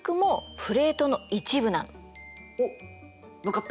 おっのっかった。